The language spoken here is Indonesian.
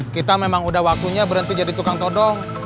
kita memang udah waktunya berhenti jadi tukang todong